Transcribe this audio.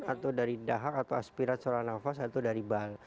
atau dari dahak atau aspirat saluran nafas atau dari bal